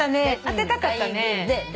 当てたかったね。